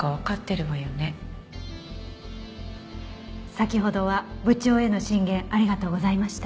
先ほどは部長への進言ありがとうございました。